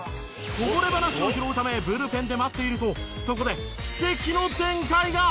こぼれ話を拾うためブルペンで待っているとそこで奇跡の展開が！